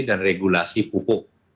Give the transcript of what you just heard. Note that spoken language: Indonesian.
dan regulasi pupuk